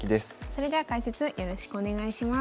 それでは解説よろしくお願いします。